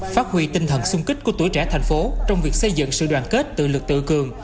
phát huy tinh thần sung kích của tuổi trẻ thành phố trong việc xây dựng sự đoàn kết tự lực tự cường